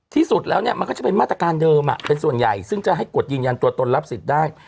ที่สุดแล้วเนี่ยมันก็จะเป็นมาตรการเดิมเป็นส่วนใหญ่ซึ่งจะให้กฎยืนยันตัวตนรับสิทธิ์ได้